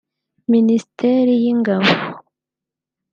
Minisiteri y’ingabo